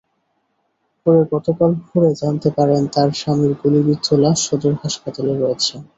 পরে গতকাল ভোরে জানতে পারেন তাঁর স্বামীর গুলিবিদ্ধ লাশ সদর হাসপাতালে রয়েছে।